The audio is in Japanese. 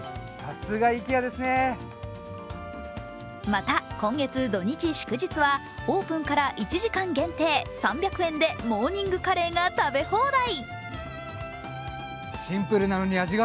また今月土日・祝日はオープンから１時間限定３００円でモーニングカレーが食べ放題。